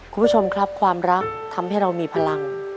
คุณผู้ชมครับความรักทำให้เรามีพลัง